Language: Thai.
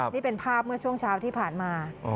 นี่เป็นภาพเมื่อช่วงเช้าที่ผ่านมา